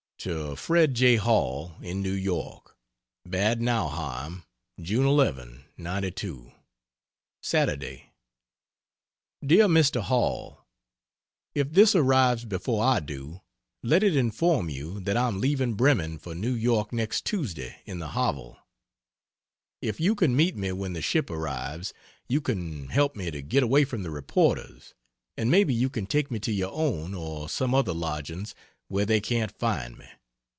To Fred J. Hall, in New York: BAD NAUHEIM, June 11, '92. Saturday. DEAR MR. HALL, If this arrives before I do, let it inform you that I am leaving Bremen for New York next Tuesday in the "Havel." If you can meet me when the ship arrives, you can help me to get away from the reporters; and maybe you can take me to your own or some other lodgings where they can't find me.